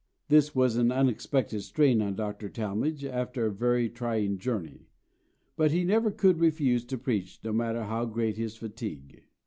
This was an unexpected strain on Dr. Talmage after a very trying journey; but he never could refuse to preach, no matter how great his fatigue.